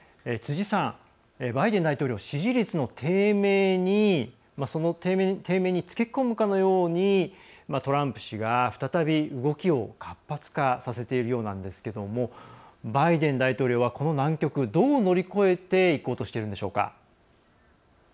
辻さん、バイデン大統領支持率の低迷につけ込むかのようにトランプ氏が再び動きを活発化させているようなんですがバイデン大統領はこの難局どう乗り越えていこうとしているんでしょうか。